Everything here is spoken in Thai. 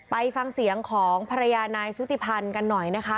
ไปฟังเสียงของภรรยานายชุติพันธ์กันหน่อยนะคะ